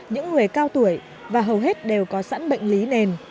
những người cao tuổi và hầu hết đều có sẵn bệnh lý nền